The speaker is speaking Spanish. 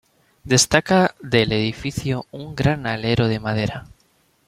Destaca del edificio un gran alero de madera.